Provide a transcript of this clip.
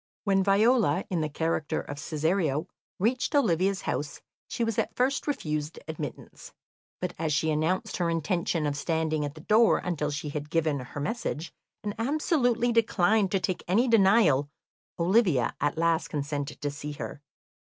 When Viola, in the character of Cesario, reached Olivia's house, she was at first refused admittance, but as she announced her intention of standing at the door until she had given her message, and absolutely declined to take any denial, Olivia at last consented to see her.